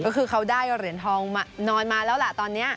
ก็คือเขาได้เหรียญทองมานอนมาแล้วล่ะตอนนี้